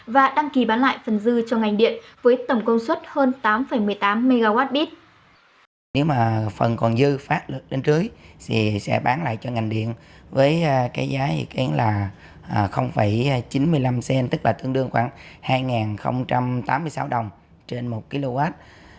và đăng ký bán lại phần dư cho ngành điện với tổng công suất hơn tám một mươi tám mwbit